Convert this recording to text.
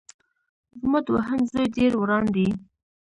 زما دوهم زوی ډېر وران دی